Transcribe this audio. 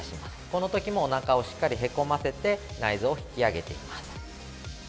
このときもおなかをしっかりへこませて内臓を引き上げています。